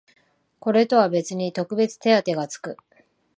これとは別に特別手当てがつく